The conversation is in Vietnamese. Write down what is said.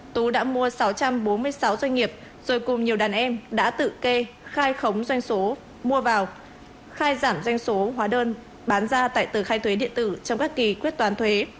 tú đã mua sáu trăm bốn mươi sáu doanh nghiệp rồi cùng nhiều đàn em đã tự kê khai khống doanh số mua vào khai giảm doanh số hóa đơn bán ra tại tờ khai thuế điện tử trong các kỳ quyết toán thuế